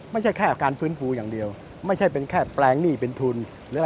ไม่ใช่แค่การฟื้นฟูอย่างเดียวไม่ใช่เป็นแค่แปลงหนี้เป็นทุนหรืออะไร